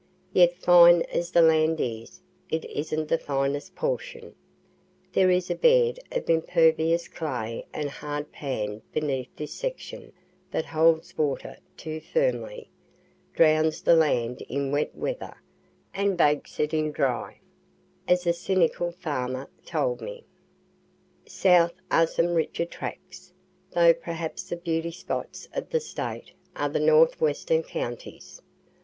Yet fine as the land is, it isn't the finest portion; (there is a bed of impervious clay and hard pan beneath this section that holds water too firmly, "drowns the land in wet weather, and bakes it in dry," as a cynical farmer told me.) South are some richer tracts, though perhaps the beauty spots of the State are the northwestern counties.